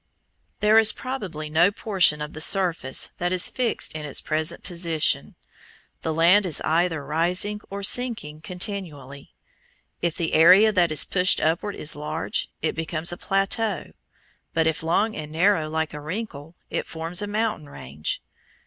There is probably no portion of the surface that is fixed in its present position. The land is either rising or sinking continually. If the area that is pushed upward is large, it becomes a plateau; but if long and narrow like a wrinkle, it forms a mountain range.